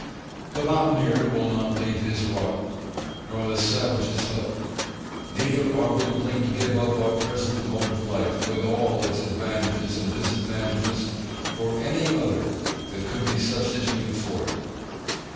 The mountaineer will not leave his rock, nor the savage his hut; neither are we willing to give up our present mode of life, with all its advantages and disadvantages, for any other that could be substituted for it.